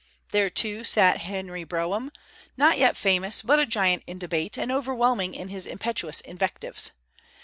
There, too, sat Henry Brougham, not yet famous, but a giant in debate, and overwhelming in his impetuous invectives.